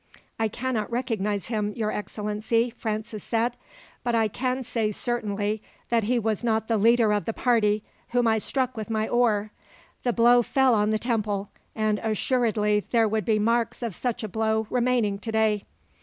"I cannot recognize him, your excellency," Francis said; "but I can say certainly that he was not the leader of the party, whom I struck with my oar. The blow fell on the temple, and assuredly there would be marks of such a blow remaining today."